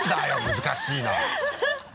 難しいな。